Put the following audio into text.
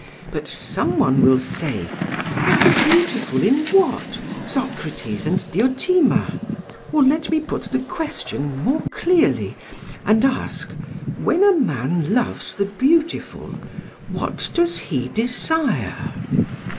But some one will say: Of the beautiful in what, Socrates and Diotima? or rather let me put the question more clearly, and ask: When a man loves the beautiful, what does he desire?'